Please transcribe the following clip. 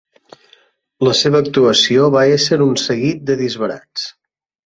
La seva actuació va ésser un seguit de disbarats.